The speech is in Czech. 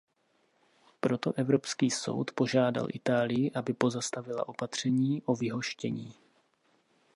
Proto Evropský soud požádal Itálii, aby pozastavila opatření o vyhoštění.